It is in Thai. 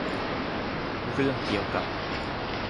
เรื่องเกี่ยวกับ